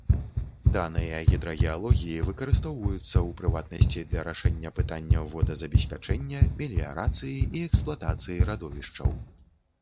Даныя гідрагеалогіі выкарыстоўваюцца, у прыватнасці, для рашэння пытанняў водазабеспячэння, меліярацыі і эксплуатацыі радовішчаў.